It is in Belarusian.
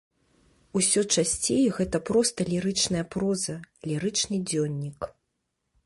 Усё часцей гэта проста лірычная проза, лірычны дзённік.